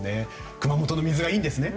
熊本の水がいいんですね。